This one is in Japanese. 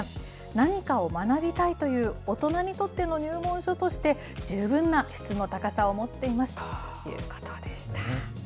何かを学びたいという大人にとっての入門書として、十分な質の高さを持っていますということでした。